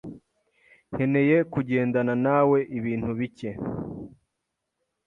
nkeneye kugendana nawe ibintu bike.